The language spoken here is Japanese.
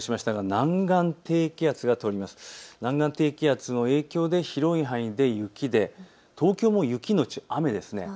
南岸低気圧の影響で広い範囲で雪で東京も雪のち雨です。